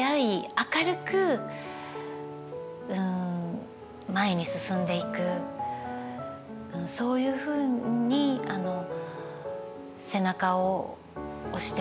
明るく前に進んでいくそういうふうに背中を押してもらってましたので。